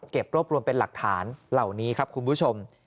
รวบรวมเป็นหลักฐานเหล่านี้ครับคุณผู้ชม